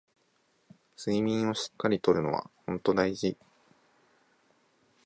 睡眠をしっかり取るのはほんと大事